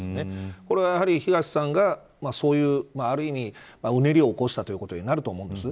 これは、やはり東さんがそういうある意味、うねりを起こしたということになると思うんです。